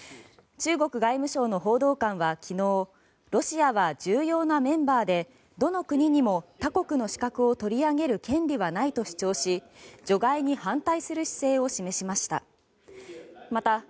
中国外務省の報道官は昨日ロシアは重要なメンバーでどの国にも他国の資格を取り上げる権利はないと主張し除外に反対する姿勢を示しました。